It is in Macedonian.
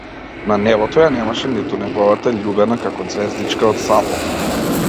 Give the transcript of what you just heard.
На небото ја немаше ниту неговата љубена како ѕвездичка од сало.